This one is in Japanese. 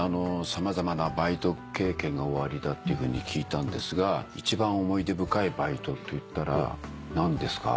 様々なバイト経験がおありだって聞いたんですが一番思い出深いバイトっていったら何ですか？